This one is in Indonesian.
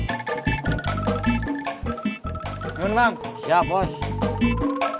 semarang semarang semarang